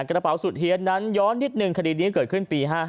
กระเป๋าสุดเฮียนนั้นย้อนนิดนึงคดีนี้เกิดขึ้นปี๕๕